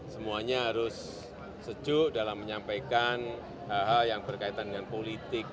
semuanya harus sejuk dalam menyampaikan hal hal yang berkaitan dengan politik